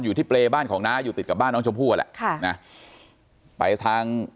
อยู่ที่เปรย์บ้านของน้าอยู่ติดกับบ้านน้องชมพู่อ่ะแหละค่ะนะไปทาง